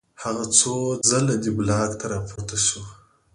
هغه څو ځله دې بلاک ته راپورته شو